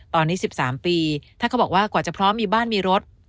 ตอนนี้๑๓ปีถ้าเขาบอกว่ากว่าจะพร้อมมีบ้านมีรถ